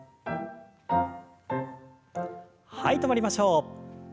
はい止まりましょう。